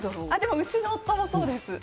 うちの夫もそうです。